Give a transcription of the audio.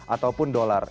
atau pun dolar